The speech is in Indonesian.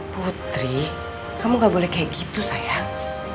putri kamu gak boleh kayak gitu sayang